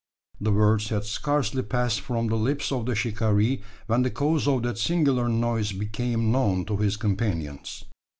The words had scarcely passed from the lips of the shikaree, when the cause of that singular noise became known to his companions.